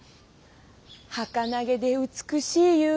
はかなげで美しい夕顔。